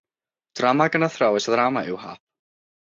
Drama gan athrawes ddrama yw Hap.